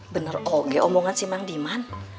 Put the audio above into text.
bener aja omongan si mang diman